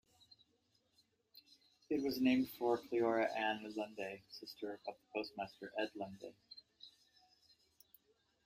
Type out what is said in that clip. It was named for Cleora Ann Lunday, sister of the postmaster, Ed Lunday.